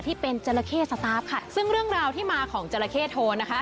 ที่เป็นจราเข้สตาฟค่ะซึ่งเรื่องราวที่มาของจราเข้โทนนะคะ